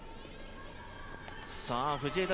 藤枝